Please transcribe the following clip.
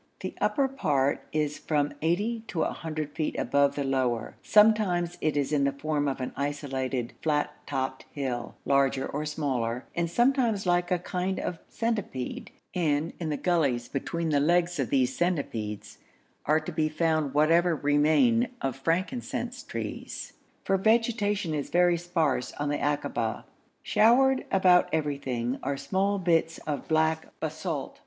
The upper part is from 80 to 100 feet above the lower; sometimes it is in the form of an isolated flat topped hill, larger or smaller, and sometimes like a kind of centipede, and in the gullies between the legs of these centipedes are to be found whatever remain of frankincense trees, for vegetation is very sparse on the akaba. Showered about everywhere are small bits of black basalt.